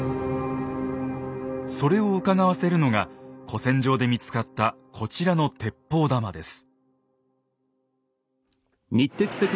それをうかがわせるのが古戦場で見つかったこちらの鉄砲玉です。